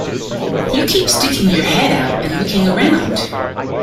You keep sticking your head out and looking around.